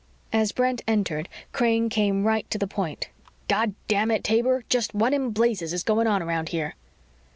As Brent entered, Crane came right to the point. "Goddamn it, Taber, just what in blazes is going on around here?"